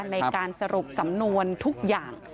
ในการสรุปสำนวนทุกอย่าง